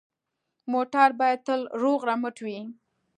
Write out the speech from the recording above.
موټر باید تل روغ رمټ وي.